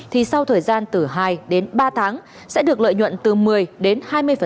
thì sau thời gian từ hai đến ba tháng sẽ được lợi nhuận từ một mươi đến hai mươi